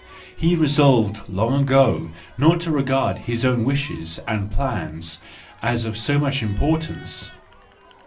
He resolved long ago not to regard his own wishes and plans as of so much importance.